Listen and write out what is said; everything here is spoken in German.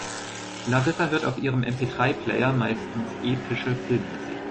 Larissa hört auf ihrem MP-drei-Player meistens epische Filmmusik.